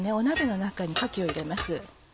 鍋の中にかきを入れます。